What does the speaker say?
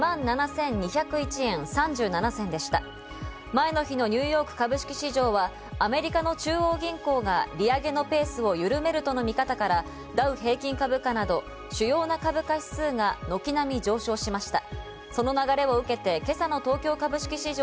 前の日のニューヨーク株式市場はアメリカの中央銀行が利上げのペースを緩めるとの見方から、ダウ平均株価など主要な株価指数が軒並み上昇しました。